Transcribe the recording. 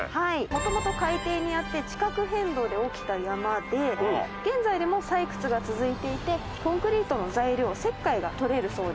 元々海底にあって地殻変動で起きた山で現在でも採掘が続いていてコンクリートの材料石灰が採れるそうです。